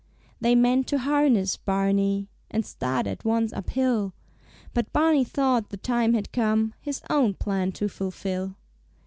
They meant to harness Barney, And start at once uphill; But Barney thought the time had come His own plan to fulfil.